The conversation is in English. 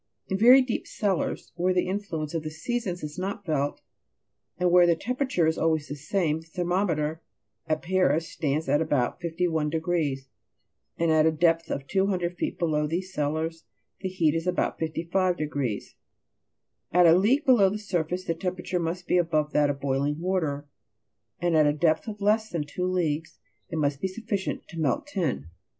In very deep cellars, where the influence of the seasons is not felt, and where the temperature is always the same, the thermometer, at Paris, stands at about 51 degrees, and at a depth of 200 feet below these cellars the heat is about 55 degrees ; at a league below the surface, the temperature must be above that of boiling water, and at a depth of less than two leagues, it must be sufficient to melt tin.